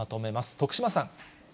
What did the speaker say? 徳島さん。